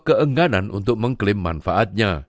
keengganan untuk mengklaim manfaatnya